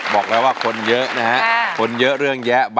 ขอบคุณครับ